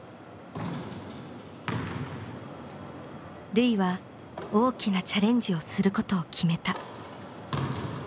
瑠唯は大きなチャレンジをすることを決めた。